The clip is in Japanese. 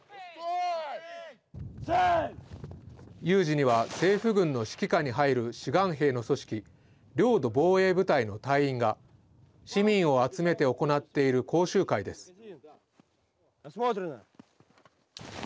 有事には政府軍の指揮下に入る志願兵の組織・領土防衛部隊の隊員が市民を集めて行っている講習会です。